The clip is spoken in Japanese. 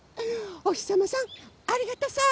おひさまさんありがとさん！